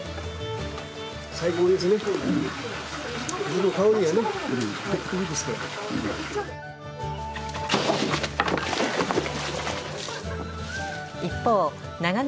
最高ですね。